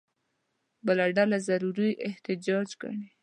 بله ډله ضروري احتیاج ګڼي.